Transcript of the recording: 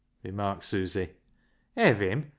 " remarked Susy. " Hev him ?